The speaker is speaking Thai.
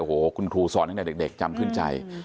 โอ้โหคุณครูสอนตั้งแต่เด็กจำขึ้นใจ